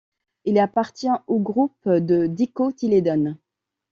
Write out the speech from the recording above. Il appartient au groupe de dicotylédone.